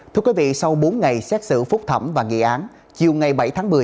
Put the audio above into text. thưa quý vị sau bốn ngày xét xử phúc thẩm và nghị án chiều ngày bảy tháng một mươi